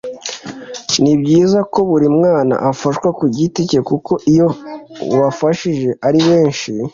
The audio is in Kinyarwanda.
ni byiza ko buri mwana afashwa ku giti cye kuko iyo ubafashije ari benshi